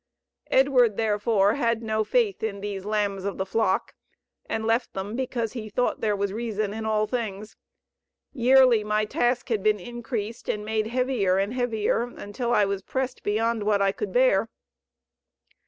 Edward, therefore, had no faith in these lambs of the flock, and left them because he thought there was reason in all things. "Yearly my task had been increased and made heavier and heavier, until I was pressed beyond what I could bear."